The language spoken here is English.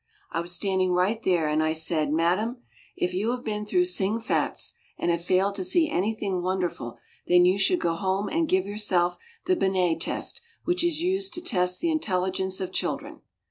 I was standing right there and said I: "Madame, if you have been through Sing Fat's and have failed, to see anything wonderful then you should go home and give yourself the Benet test which is used to test the intelligence of children."